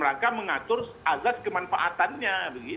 jadi kita harus mengatur azad kemanfaatannya